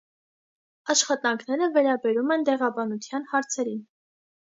Աշխատանքները վերաբերում են դեղաբանության հարցերին։